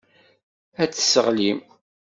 Ad t-tesseɣlim.